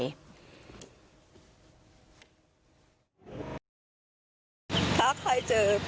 แล้วมันจะเลือกน้อยเพียงใดเลือกเข้าใน